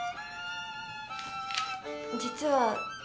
実は。